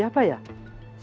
saya purusan pindah di sini ya